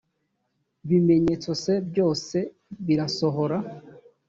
bimenyetso c byose birasohora